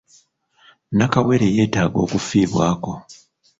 Nakawere yeetaaga okufiibwako.